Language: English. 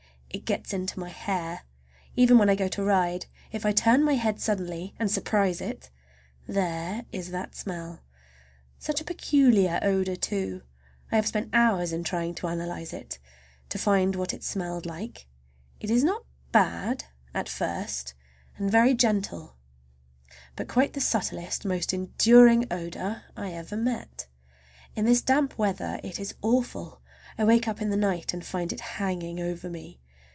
It gets into my hair. Even when I go to ride, if I turn my head suddenly and surprise it—there is that smell! Such a peculiar odor, too! I have spent hours in trying to analyze it, to find what it smelled like. It is not bad—at first, and very gentle, but quite the subtlest, most enduring odor I ever met. In this damp weather it is awful. I wake up in the night and find it hanging over me.